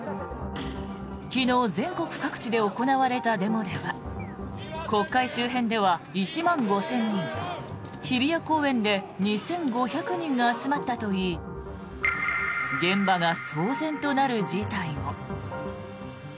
昨日全国各地で行われたデモでは国会周辺では１万５０００人日比谷公園で２５００人が集まったといい現場が騒然となる事態も。